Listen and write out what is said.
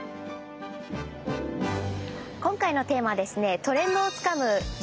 今回のテーマはですね